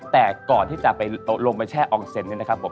แต่ก่อนที่จะไปลงไปแช่อองเซ็นต์เนี่ยนะครับผม